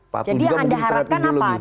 patuh juga mending terhadap ide lo nih